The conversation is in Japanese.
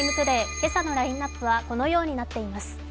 今朝のランナップはこのようになっております。